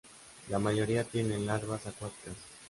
La mayoría tienen larvas acuáticas.